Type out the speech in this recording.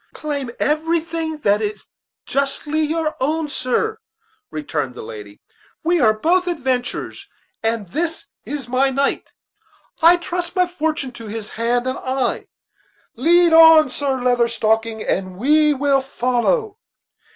"Claim anything that is justly your own, sir," returned the lady; "we are both adventurers; and this is my knight. I trust my fortune to his hand and eye. Lead on, Sir Leather Stocking, and we will follow."